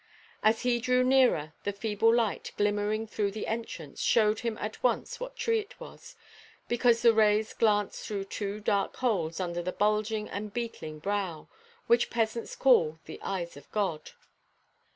As he drew nearer, the feeble light, glimmering through the entrance, showed him at once what tree it was, because the rays glanced through two dark holes under the bulging and beetling brow, which peasants call "the eyes of God."